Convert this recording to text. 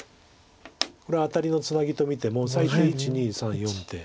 これをアタリのツナギと見ても最低１２３４手。